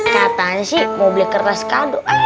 katanya sih mau beli kertas kado